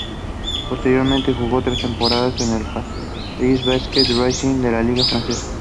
Posteriormente jugó tres temporadas en el Paris Basket Racing de la liga francesa.